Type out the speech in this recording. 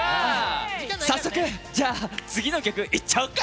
早速じゃあ次の曲いっちゃおうか！